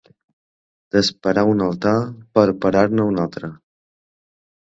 Desparar un altar per parar-ne un altre.